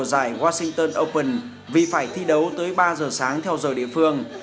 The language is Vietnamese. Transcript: giải washington open vì phải thi đấu tới ba giờ sáng theo giờ địa phương